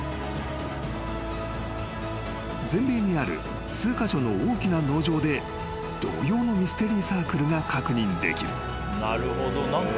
［全米にある数カ所の大きな農場で同様のミステリーサークルが確認できる］